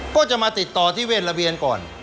ก็จะมาติดต่อที่เวทระเบียนก่อน